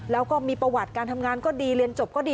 แล้วก็มีประวัติการทำงานก็ดี